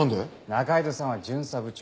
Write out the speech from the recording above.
仲井戸さんは巡査部長。